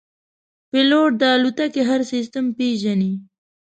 پیلوټ د الوتکې هر سیستم پېژني.